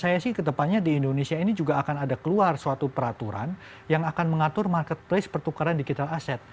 jadi harapan saya sih ketepannya di indonesia ini juga akan ada keluar suatu peraturan yang akan mengatur marketplace pertukaran digital asset